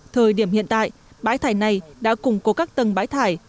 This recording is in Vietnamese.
thời điểm hiện tại bãi thải này đã củng cố các tầng bãi thải